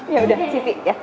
ya udah sissy ya